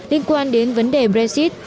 liên quan đến vấn đề brexit